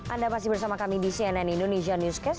anda masih bersama kami di cnn indonesia newscast